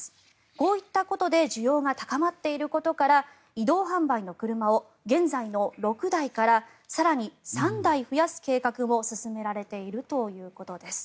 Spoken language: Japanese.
こういったことで需要が高まっていることから移動販売の車を現在の６台から更に３台増やす計画も進められているということです。